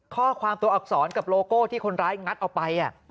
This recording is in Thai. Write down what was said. ข้อความตัวอักษรกับโลโก้ที่คนร้ายงัดเอาไป